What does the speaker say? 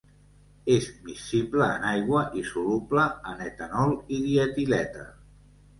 És miscible en aigua i soluble en etanol i dietilèter.